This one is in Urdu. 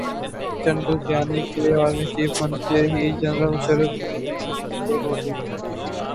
جنرل کیانی کے آرمی چیف بنتے ہی جنرل مشرف کی پوزیشن کمزورہوگئی۔